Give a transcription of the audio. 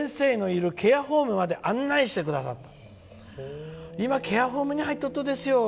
先生のいるケアホームまで案内してくださった」。